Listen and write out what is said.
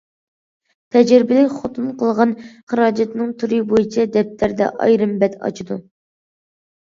تەجرىبىلىك خوتۇن قىلغان خىراجەتنىڭ تۈرى بويىچە دەپتەردە ئايرىم بەت ئاچىدۇ.